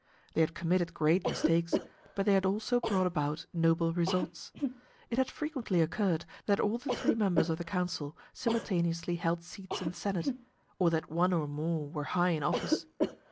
They had committed great mistakes, but they had also brought about noble results. It had frequently occurred that all the three members of the council simultaneously held seats in the senate, or that one or more were high in office.